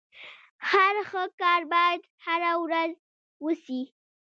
هر ښه کار بايد هره ورځ وسي.